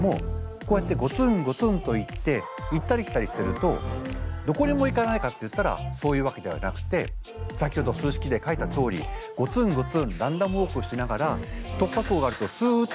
こうやってゴツンゴツンといって行ったり来たりしてるとどこにも行かないかっていったらそういうわけではなくて先ほど数式で書いたとおりゴツンゴツンランダムウォークしながら突破口があるとすっと行く。